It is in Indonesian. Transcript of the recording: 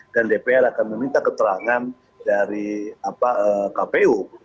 dan dpr akan meminta keterangan dari kpu